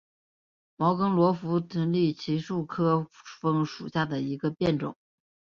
毛梗罗浮槭为槭树科枫属下的一个变种。